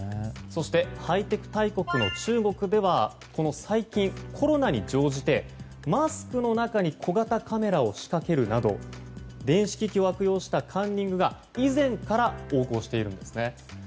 そして、ハイテク大国の中国では最近コロナに乗じてマスクの中に小型カメラを仕掛けるなど電子機器を悪用したカンニングが以前から横行しているんです。